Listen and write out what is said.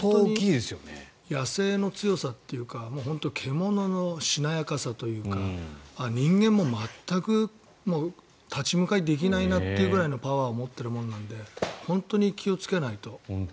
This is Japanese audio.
野生の強さというか本当に獣のしなやかさというか人間も全く立ち向かえないくらいだというパワーを持ってるので本当に気をつけないと。